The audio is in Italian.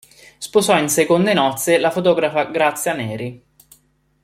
Sposò in seconde nozze la fotografa Grazia Neri.